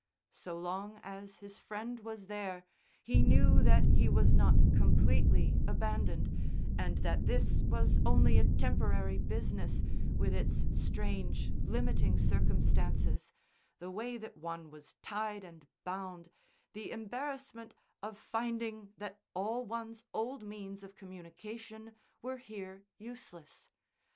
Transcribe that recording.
So long as his Friend was there, he knew that he was not completely abandoned, and that this was only a temporary business, with its strange limiting circumstances, the way that one was tied and bound, the embarrassment of finding that all one's old means of communication were here useless.